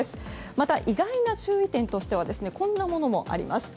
また、意外な注意点としてはこんなものもあります。